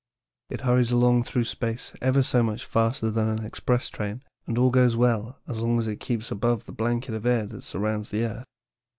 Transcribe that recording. It hurries along through space ever so much faster than an express train, and all goes well as long as it keeps above the blanket of air that surrounds the earth.